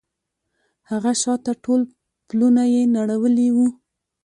هغه شاته ټول پلونه يې نړولي وو.